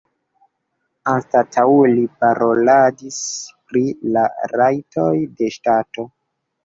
Anstataŭe li paroladis pri la rajtoj de ŝtato.